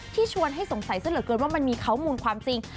ชวนให้สงสัยซะเหลือเกินว่ามันมีข้อมูลความจริง